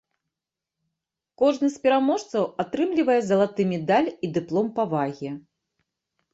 Кожны з пераможцаў атрымлівае залаты медаль і дыплом павагі.